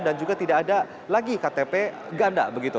dan juga tidak ada lagi ktp ganda